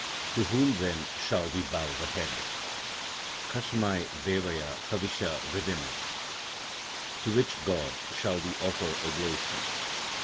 To whom, then, shall we bow the head? Kasmai devaya havisha vidhema? (To which God shall we offer oblation?)